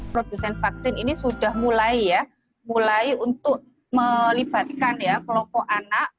produsen vaksin ini sudah mulai ya mulai untuk melibatkan ya kelompok anak